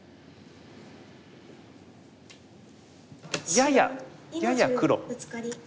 やややや黒。